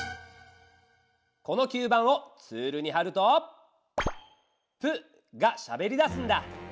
この吸盤をツールにはると「プ」がしゃべりだすんだ。